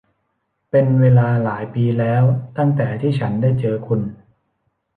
เป็นเวลาหลายปีแล้วตั้งแต่ที่ฉันได้เจอคุณ !